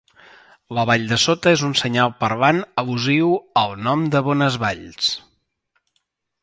La vall de sota és un senyal parlant al·lusiu al nom de Bonesvalls.